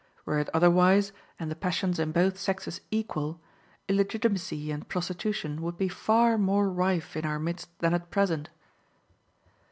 Were it otherwise, and the passions in both sexes equal, illegitimacy and prostitution would be far more rife in our midst than at present.